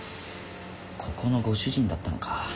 ここのご主人だったのか。